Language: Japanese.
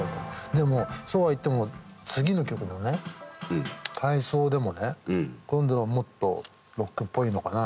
でもそうはいっても次の曲のね「体操」でもね今度はもっとロックっぽいのかな。